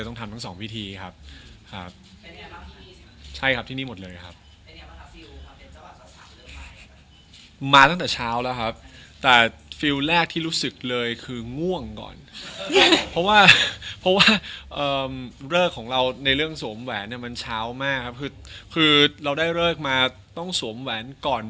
ตอนนี้มันความรู้สึกว่าเป็นเจ้าหวัดต่อสามหรือเริ่มไหว